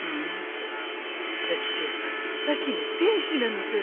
アキちゃんは秋の天使なのさ